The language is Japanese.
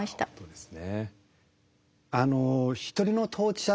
そうですね。